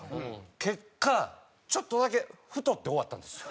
結果ちょっとだけ太って終わったんですよ。